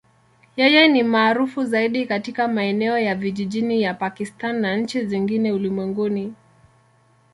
Yeye ni maarufu zaidi katika maeneo ya vijijini ya Pakistan na nchi zingine ulimwenguni.